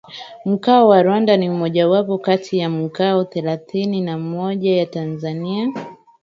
Mkoa wa Rukwa ni mmojawapo kati ya mikoa thelathini na moja ya Tanzania